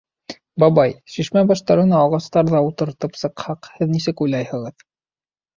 — Бабай, шишмә баштарына ағастар ҙа ултыртып сыҡһаҡ, һеҙ нисек уйлайһығыҙ?